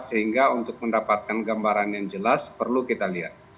sehingga untuk mendapatkan gambaran yang jelas perlu kita lihat